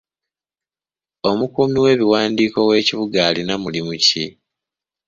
Omukuumi w'ebiwandiiko w'ekibuga alina mulimu ki?